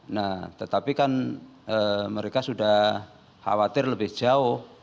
nah tetapi kan mereka sudah khawatir lebih jauh